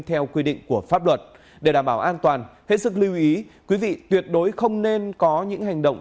theo quy định của pháp luật để đảm bảo an toàn hãy sức lưu ý quý vị tuyệt đối không nên có những hành động